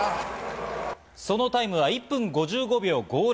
そのタイムは１分５５秒５０。